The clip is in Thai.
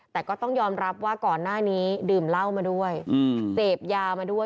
แต่ก็ต้องยอมรับว่าก่อนหน้านี้ดื่มเหล้ามาด้วยเสพยามาด้วย